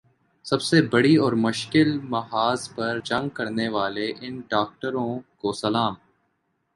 سب سے بڑی اور مشکل محاذ پر جنگ کرنے والے ان ڈاکٹروں کو سلام